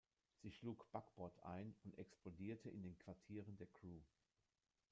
Sie schlug Backbord ein und explodierte in den Quartieren der Crew.